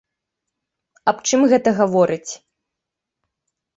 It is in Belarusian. Аб чым гэта гаворыць?